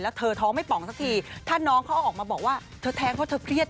แล้วเธอท้องไม่ป่องสักทีถ้าน้องเขาเอาออกมาบอกว่าเธอแท้งเพราะเธอเครียด